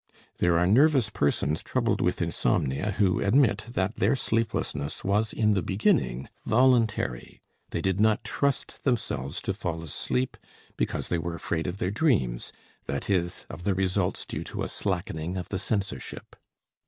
There are nervous persons troubled with insomnia who admit that their sleeplessness was in the beginning voluntary. They did not trust themselves to fall asleep, because they were afraid of their dreams, that is, of the results due to a slackening of the censorship.